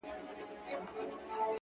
یوه ورځ له ناچارۍ ولاړى حاکم ته!.